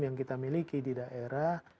yang kita miliki di daerah